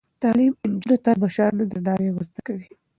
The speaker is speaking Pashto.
تعلیم نجونو ته د مشرانو درناوی ور زده کوي.